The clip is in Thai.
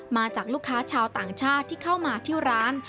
มาจากลูกค้าชาวต่างชาติที่เข้ามาที่ร้าน